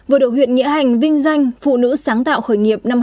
vừa đổ huyện nghĩa hành vinh danh phụ nữ sáng tạo khởi nghiệp năm hai nghìn một mươi chín